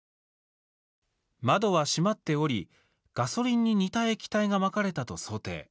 窓は閉まっており、ガソリンに似た液体がまかれたと想定。